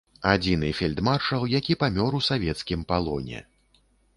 Адзіны фельдмаршал, які памёр у савецкім палоне.